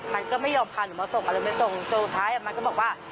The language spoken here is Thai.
มันก็ไม่ยอมพาหนูมาส่งอะไรมาส่งจนสุดท้ายมันก็บอกว่า